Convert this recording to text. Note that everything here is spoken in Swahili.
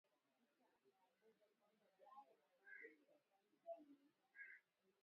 Kisha akaongeza kwamba jambo ambalo serikali hailifahamu